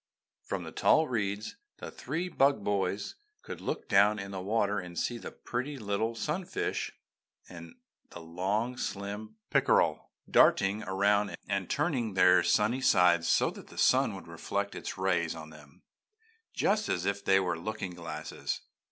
From the tall reeds the three Bug Boys could look down in the water and see the pretty little sun fish and the long slim pickerel darting around and turning their shiny sides so that the sun would reflect its rays on them, just as if they were looking glasses.